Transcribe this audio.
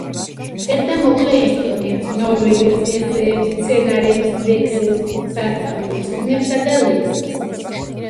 წერდა მოკლე ისტორიებს, ნოველებს, ესეებს, სცენარებს, ლექციებს, სასწავლო წიგნებს და ლექსებსაც.